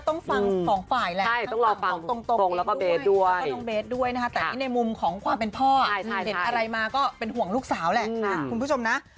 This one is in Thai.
ทั้งนี้ทางนั้นก็ต้องฟังสองฝ่าย